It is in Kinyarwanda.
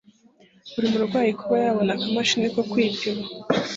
buri murwayi kuba yabona akamashini ko kwipima